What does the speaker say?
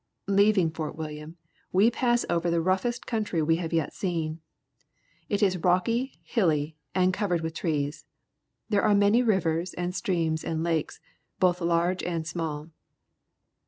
Leaving Fort William we pass over the roughest country we have yet seen. It is rocky, hilly, and covered with trees. There are many rivers and streams and lakes, both large and small.